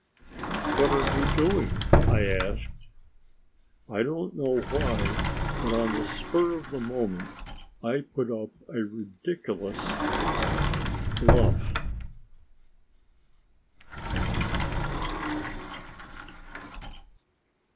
"What are you doing?" he asked. I don't know why, but on the spur of the moment, I put up a ridiculous bluff.